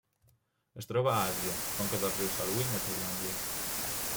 Es troba a Àsia: conca del riu Salween a Tailàndia.